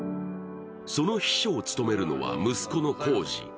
その秘書を務めるのが息子の晄司。